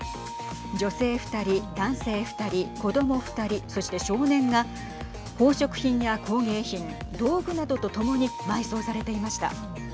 女性２人、男性２人子ども２人、そして少年が宝飾品や工芸品道具などとともに埋葬されていました。